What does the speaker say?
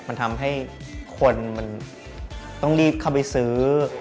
มันทำให้คนมันต้องรีบเข้าไปซื้อ